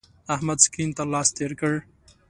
احمد سکرین ته لاس تیر کړ.